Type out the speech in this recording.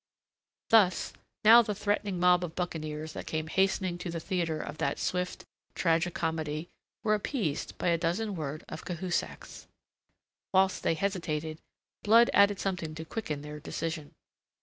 Thus now the threatening mob of buccaneers that came hastening to the theatre of that swift tragi comedy were appeased by a dozen words of Cahusac's. Whilst still they hesitated, Blood added something to quicken their decision.